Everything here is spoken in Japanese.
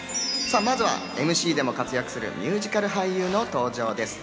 まずはＭＣでも活躍するミュージカル俳優の登場です。